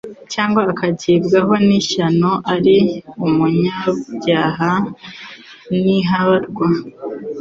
cyangwa akagibwaho n'ishyano ari umunyabyaha niharwa,